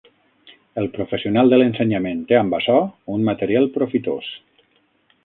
El professional de l’ensenyament té amb açò un material profitós.